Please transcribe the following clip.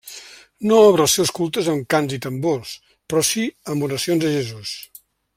No obre els seus cultes amb cants i tambors, però sí amb oracions a Jesús.